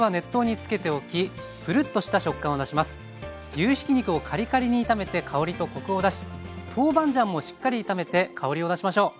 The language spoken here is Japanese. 牛ひき肉をカリカリに炒めて香りとコクを出しトーバンジャンもしっかり炒めて香りを出しましょう。